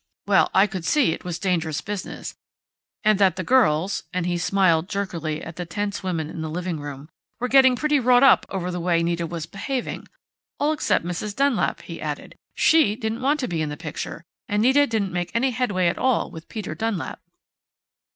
Well, I could see it was dangerous business, and that the girls " and he smiled jerkily at the tense women in the living room, " were getting pretty wrought up over the way Nita was behaving.... All except Mrs. Dunlap," he added. "She didn't want to act in the picture, and Nita didn't make any headway at all with Peter Dunlap."